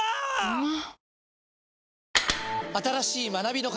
うまっ！！